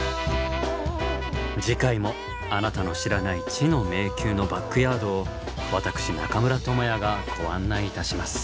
次回もあなたの知らない「知の迷宮」のバックヤードを私中村倫也がご案内いたします。